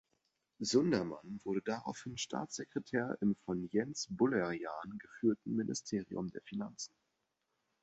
Sundermann wurde daraufhin Staatssekretär im von Jens Bullerjahn geführten Ministerium der Finanzen.